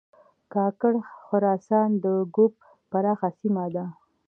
کاکړ خراسان د ږوب پراخه سیمه ده